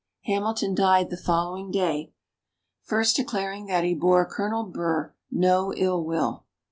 Hamilton died the following day, first declaring that he bore Colonel Burr no ill will.